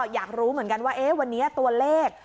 อยากรู้ว่าวันนี้ตัวเลข